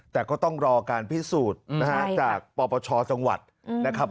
แต่ก็ต้องรอการพิสูจน์นะฮะจากปปชจังหวัดนะครับ